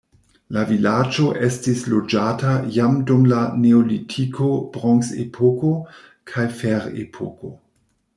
La vilaĝo estis loĝata jam dum la neolitiko, bronzepoko kaj ferepoko.